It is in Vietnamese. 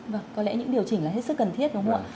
vâng có lẽ những điều chỉnh là hết sức cần thiết đúng không ạ